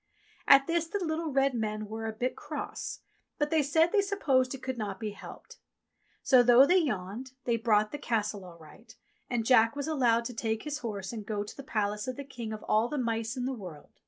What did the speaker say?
At this the little red men were a wee bit cross ; but they said they supposed it could not be helped ; so, though they yawned, they brought the Castle all right, and Jack was allowed to take his horse and go to the palace of the King of all the Mice in the World.